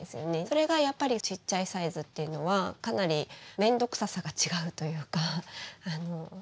それがやっぱりちっちゃいサイズっていうのはかなり面倒くささが違うというかあのすごく楽です。